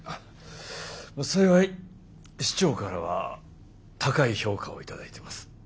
まっ幸い市長からは高い評価を頂いています。